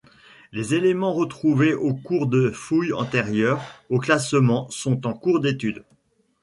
Les éléments retrouvés au cours de fouilles antérieures au classement sont en cours d'études.